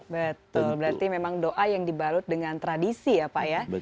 betul berarti memang doa yang dibalut dengan tradisi ya pak ya